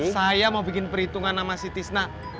saya mau bikin perhitungan sama si tisna